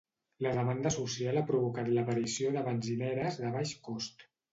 La demanda social ha provocat l'aparició de benzineres de baix cost.